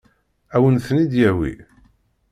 Ad wen-ten-id-yawi?